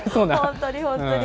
本当に本当に。